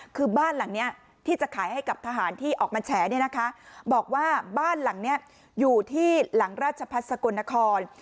คือบ้านหลังนี้ที่จะขายให้กับทหารที่ออกมาแฉเนี่ยนะคะบอกว่าบ้านหลังนี้อยู่ที่หลังราชพัฒน์สกลนคร